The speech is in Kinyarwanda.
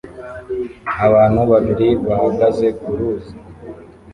Abantu babiri bahagaze ku ruzi